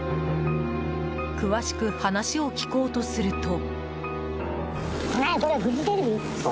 詳しく話を聞こうとすると。